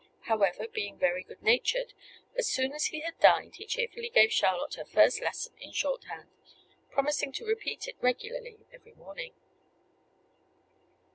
However, being very good natured, as soon as he had dined he cheerfully gave Charlotte her first lesson in shorthand, promising to repeat it regularly every morning.